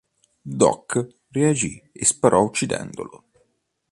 Doc reagì e sparò uccidendolo.